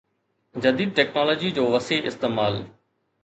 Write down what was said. جديد ٽيڪنالاجي جو وسيع استعمال